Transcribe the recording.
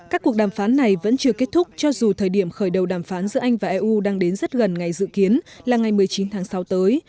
các cuộc đàm phán này vẫn chưa kết thúc cho dù thời điểm khởi đầu đàm phán giữa anh và eu đang đến rất gần ngày dự kiến là ngày một mươi chín tháng sáu tới